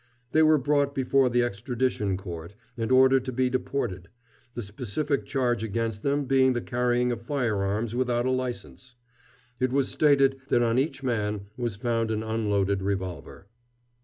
They were brought before the Extradition Court, and ordered to be deported, the specific charge against them being the carrying of fire arms without a license. It was stated that on each man was found an unloaded revolver.